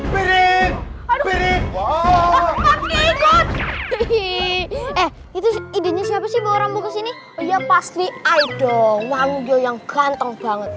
berikut itu idenya siapa sih orang kesini iya pasti ayo dong yang ganteng banget